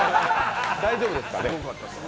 大丈夫ですかね？